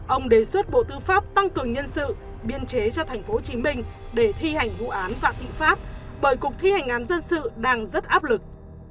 ông đề xuất bộ tư pháp tăng cường nhân sự biên chế cho tp hcm để thi hành vụ án vạn thịnh pháp bởi cục thi hành án dân sự đang rất áp lực